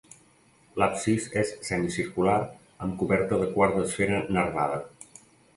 L'absis és semicircular amb coberta de quart d'esfera nervada.